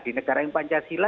di negara yang pancasila